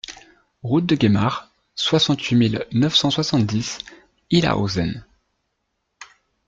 Route de Guémar, soixante-huit mille neuf cent soixante-dix Illhaeusern